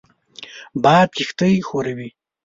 باد کښتۍ ښوروي